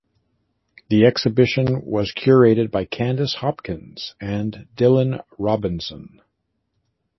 The exhibition was curated by Candice Hopkins and Dylan Robinson.